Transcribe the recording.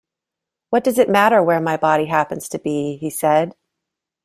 ‘What does it matter where my body happens to be?’ he said.